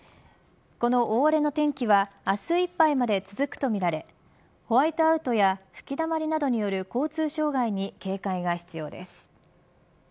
この大荒れの天気は明日いっぱいまで続くとみられホワイトアウトや吹きだまりなどによる交通障害に警戒が必要です。